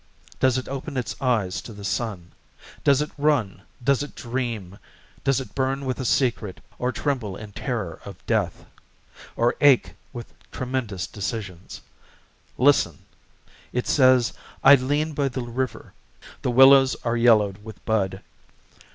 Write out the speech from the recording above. Does it open its eyes to the sun? Does it run, does it dream, does it burn with a secret, or tremble In terror of death? Or ache with tremendous decisions?... Listen!... It says: "I lean by the river. The willows Are yellowed with bud.